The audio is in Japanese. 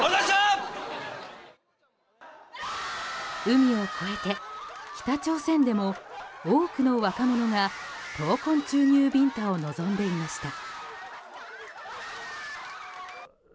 海を越えて、北朝鮮でも多くの若者が闘魂注入ビンタを望んでいました。